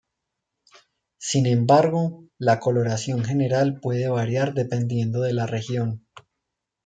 Sin embargo, la coloración general puede variar dependiendo de la región.